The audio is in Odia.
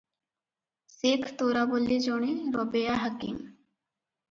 ସେଖ ତୋରାବଲ୍ଲି ଜଣେ ରବେୟା ହାକିମ ।